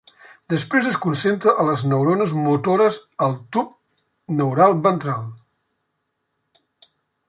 Després es concentra a les neurones motores al tub neural ventral.